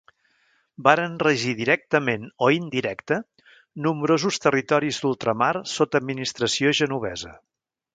Varen regir directament o indirecta nombrosos territoris d'ultramar sota administració genovesa.